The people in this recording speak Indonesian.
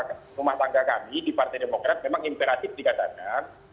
karena rumah tangga kami di partai demokrat memang imperatif dikatakan